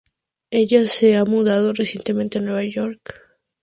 Ella se ha mudado recientemente a Nueva York.